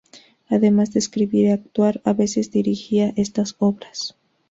Además de escribir y actuar, a veces dirigía estas obras.